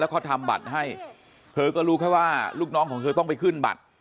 แล้วก็ทำบัตรให้เธอก็รู้แค่ว่าลูกน้องของเธอต้องไปขึ้นบัตร